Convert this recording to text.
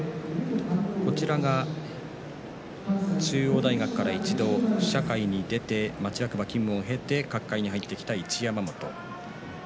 中央大学から一度、社会に出て町役場勤務を経て角界に入ってきた一山本。